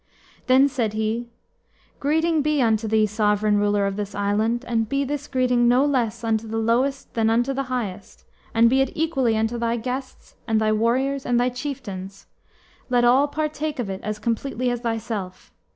Then said he, "Greeting be unto thee, sovereign ruler of this island, and be this greeting no less unto the lowest than unto the highest, and be it equally unto thy guests, and thy warriors, and thy chieftains; let all partake of it as completely as thyself.